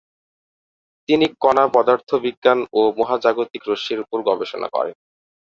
তিনি কণা পদার্থবিজ্ঞান ও মহাজাগতিক রশ্মির উপর গবেষণা করেন।